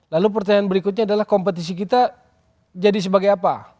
lalu pertanyaan berikutnya adalah kompetisi kita jadi sebagai apa